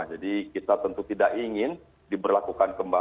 jadi kita tentu tidak ingin diberlakukan kembali